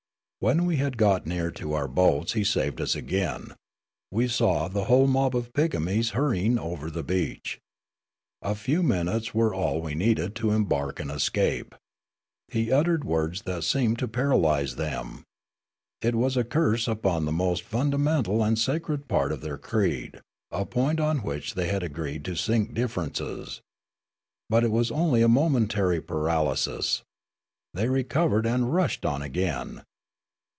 When we had got near to our boats he saved us again. We saw the whole mob of pigmies hurrying over the beach. A few min utes were all we needed to embark and escape. He uttered words that seemed to paralyse them. It was a curse upon the most fundamental and sacred part of their creed, a point on which they had agreed to sink differences. But it was only a momentary paralj'sis. They recovered and rushed on again.